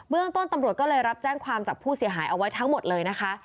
เรื่องต้นตำรวจก็เลยรับแจ้งความจากผู้เสียหายเอาไว้ทั้งหมดเลยนะคะ